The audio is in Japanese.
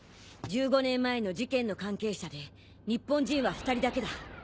１５年前の事件の関係者で日本人は２人だけだ。